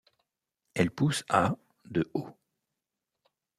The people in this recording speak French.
Elle pousse à de haut.